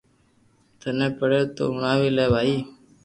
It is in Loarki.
ٿني پڙي تو ھڻَاوي لي ڀائي